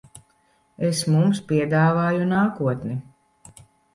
Es mums piedāvāju nākotni.